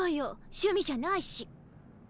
趣味じゃないし。